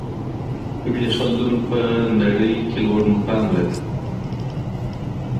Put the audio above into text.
ابن خلدون په نړۍ کي لوړ مقام لري.